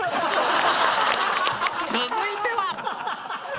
続いては！